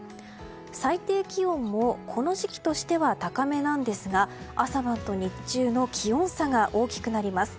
最低気温もこの時期としては高めなんですが朝晩と日中の気温差が大きくなります。